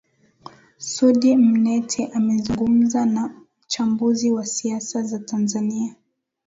Sudi Mnette amezungumza na mchambuzi wa siasa za Tanzania